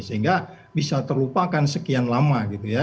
sehingga bisa terlupakan sekian lama